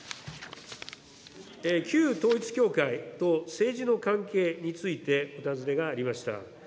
旧統一教会と政治の関係についてお尋ねがありました。